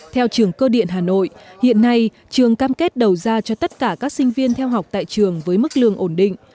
theo trường cơ điện hà nội hiện nay trường cam kết đầu ra cho tất cả các sinh viên theo học tại trường với mức lương ổn định